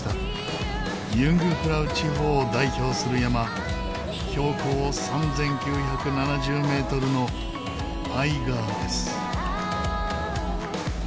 ユングフラウ地方を代表する山標高３９７０メートルのアイガーです。